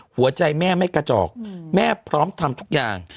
หัวใจแม่ไม่กระจอกแม่พร้อมทำทุกอย่าง